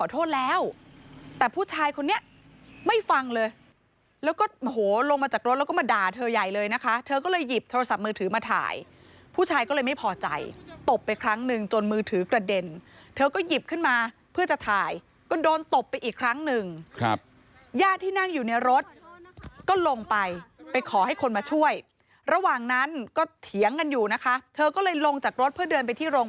โทษแล้วแต่ผู้ชายคนนี้ไม่ฟังเลยแล้วก็โหลงมาจากรถแล้วก็มาด่าเธอใหญ่เลยนะคะเธอก็เลยหยิบโทรศัพท์มือถือมาถ่ายผู้ชายก็เลยไม่พอใจตบไปครั้งหนึ่งจนมือถือกระเด็นเธอก็หยิบขึ้นมาเพื่อจะถ่ายก็โดนตบไปอีกครั้งหนึ่งครับญาติที่นั่งอยู่ในรถก็ลงไปไปขอให้คนมาช่วยระหว่างนั้นก็เถียงกันอยู่นะคะเธอก็เลยลงจากรถเพื่อเดินไปที่โรง